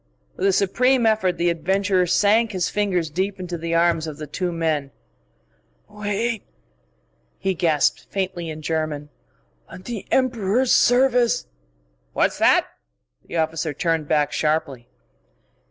With a supreme effort the adventurer sank his fingers deep into the arms of the two men. "Wait!" he gasped faintly in German. "On the Emperor's service " "What's that?" The officer turned back sharply.